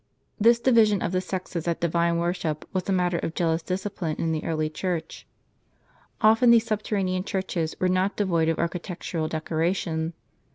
This division of the sexes at divine worship was a matter of jealous discipline in the early Church. Often these subterranean churches were not devoid of architectural decoration.